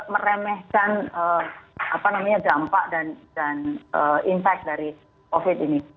meremehkan apa namanya dampak dan impact dari covid sembilan belas ini